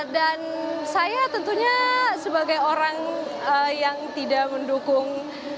dan saya tentunya sebagai orang yang tidak mendukung